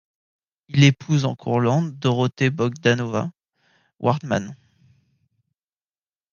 Il épouse en Courlande Dorothée-Bogdanowna Wartmann.